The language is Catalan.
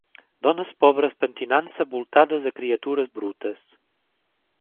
Dones pobres pentinant-se voltades de criatures brutes.